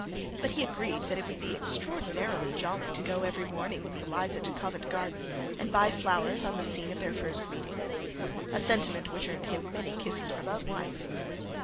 But he agreed that it would be extraordinarily jolly to go early every morning with Eliza to Covent Garden and buy flowers on the scene of their first meeting: a sentiment which earned him many kisses from his wife.